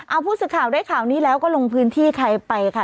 เอาผู้สื่อข่าวได้ข่าวนี้แล้วก็ลงพื้นที่ใครไปค่ะ